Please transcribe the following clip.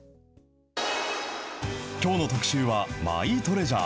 きょうの特集はマイトレジャー。